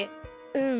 うん。